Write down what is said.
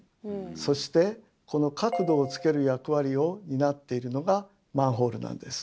そしてこの角度をつける役割を担っているのがマンホールなんです。